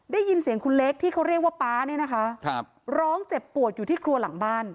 ได้ยินเสียงคุณเล็กที่เขาเรียกว่าป๊าเนี่ยนะคะครับร้องเจ็บปวดอยู่ที่ครัวหลังบ้าน